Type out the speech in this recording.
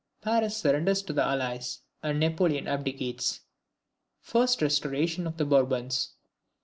Paris surrenders to the Allies, and Napoleon abdicates. First restoration of the Bourbons.